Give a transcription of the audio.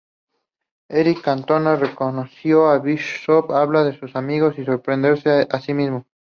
Eric Cantona recomienda a Bishop hablar con sus amigos y 'sorprenderse' a sí mismo.